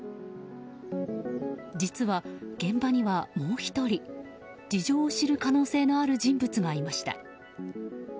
実は、現場にはもう１人事情を知る可能性がある人物がいました。